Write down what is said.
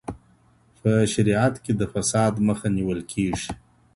په شریعت کي د فساد مخه نیول کېږي.